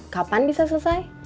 kapan bisa selesai